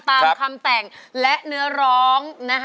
ตามคำแต่งและเนื้อร้องนะคะ